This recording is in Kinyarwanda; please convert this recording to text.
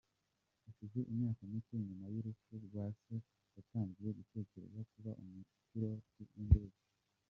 Hashize imyaka mike nyuma y’urupfu rwa se yatangiye gutekereza kuba umupiloti w’indege.